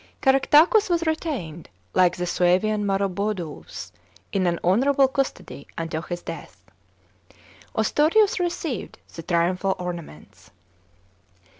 Caractacus was retained, like the Suevian Mrtroboduus, in an honourable custody until his death. Ostorius received the triumphal orna ments.